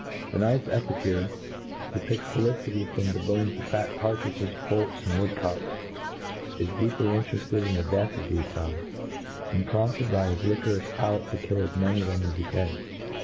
The nice epicure, who picks felicity from the hones of fat partridges, poults, and woodcocks, is deeply interefted in the death of thefe fowls^ and prompted by his liquorifh palate^ to kill as many of them as he can.